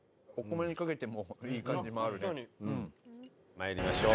参りましょう。